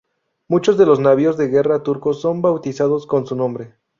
Muchos de los navíos de guerra turcos son bautizados con su nombre.